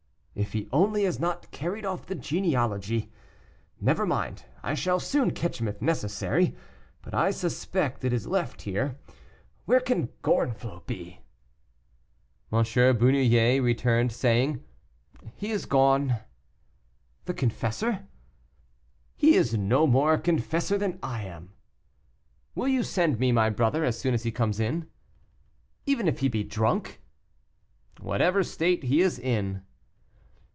"If he only has not carried off the genealogy. Never mind, I shall soon catch him if necessary; but I suspect it is left here. Where can Gorenflot be?" M. Bernouillet returned, saying, "He is gone." "The confessor?" "He is no more a confessor than I am." "Will you send me my brother as soon as he comes in." "Even if he be drunk?" "Whatever state he is in."